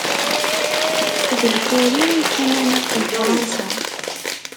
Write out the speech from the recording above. D Lpari i d tamanaɣt n Fransa.